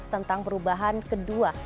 tentang perubahan kedua